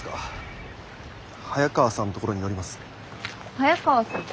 早川さん。